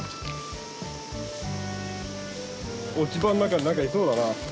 落ち葉の中に何かいそうだな。